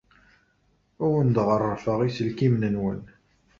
Ur awen-d-ɣerrfeɣ iselkimen-nwen.